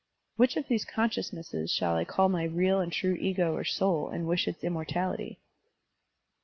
Which of these consciousnesses shall I call my real and true ego or soul and wish its immortality?